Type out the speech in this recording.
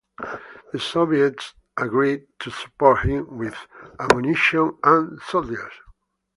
The Soviets agreed to support him with ammunition and soldiers.